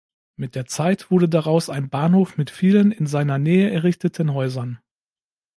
Mit der Zeit wurde daraus ein Bahnhof mit vielen, in seiner Nähe errichteten Häusern.